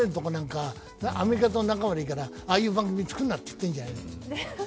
アメリカはゴッドタレントとかなんか、ああいう番組作るなって言ってるんじゃないの？